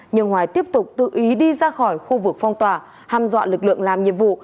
nhưng hoài tiếp tục tự ý đi ra khỏi khu vực phong tỏa ham dọa lực lượng làm nhiệm vụ